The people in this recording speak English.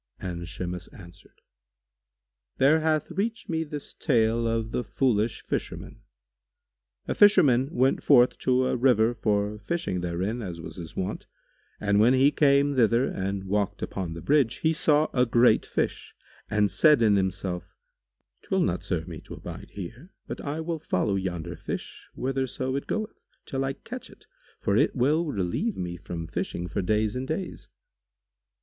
and Shimas answered, "There hath reached me this tale of The Foolish Fisherman. A fisherman went forth to a river for fishing therein as was his wont; and when he came thither and walked upon the bridge, he saw a great fish and said in himself, "'Twill not serve me to abide here, but I will follow yonder fish whitherso it goeth, till I catch it, for it will relieve me from fishing for days and days."